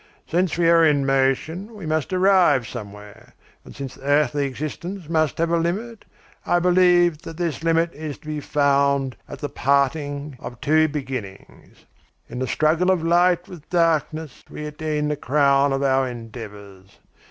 Since we are in motion, we must arrive somewhere, and since earthly existence must have a limit, I believe that this limit is to be found at the parting of two beginnings. In the struggle of light with darkness we attain the crown of our endeavours.